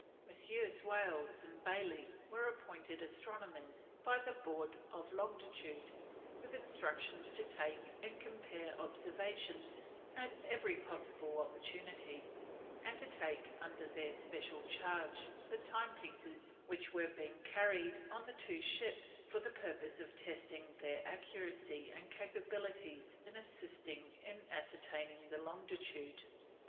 Messrs. Wales and Bayley were appointed astronomers by the Board of Longitude, with instructions to take and compare observations at every possible opportunity, and to take under their special charge the timepieces which were being carried on the two ships for the purpose of testing their accuracy and capabilities in assisting in ascertaining the longitude.